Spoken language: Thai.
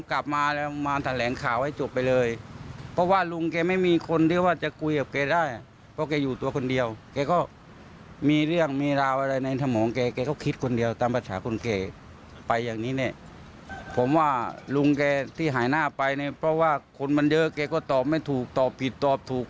แกมันหน้าไปเนี่ยเพราะว่าคนมันเยอะแกก็ตอบไม่ถูกตอบผิดตอบถูก